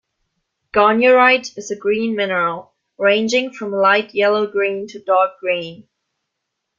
Garnierite is a green mineral, ranging from light yellow-green to dark green.